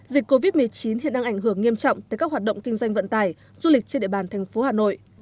dịch covid một mươi chín hiện đang ảnh hưởng nghiêm trọng tới các hoạt động kinh doanh vận tải du lịch trên địa bàn thành phố hà nội